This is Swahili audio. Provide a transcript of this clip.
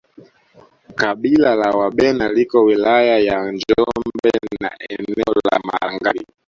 Kabila la Wabena liko wilaya ya Njombe na eneo la Malangali